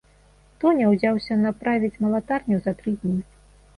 Тоня ўзяўся направіць малатарню за тры дні.